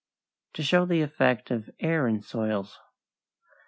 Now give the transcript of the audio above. =To show the Effect of Air in Soils.